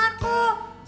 makanya aku ga ngerti